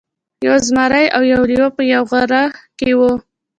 یو زمری او یو لیوه په یوه غار کې وو.